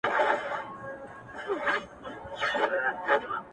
نن به یې ستره او سنګینه تنه!!